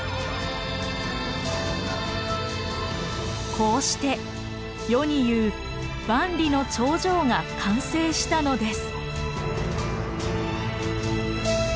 こうして世にいう「万里の長城」が完成したのです。